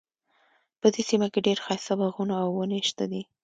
په دې سیمه کې ډیر ښایسته باغونه او ونې شته دي